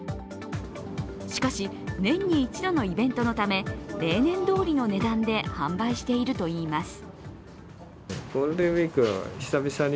しかし、年に一度のイベントのため例年どおりの値段で販売しているといいます。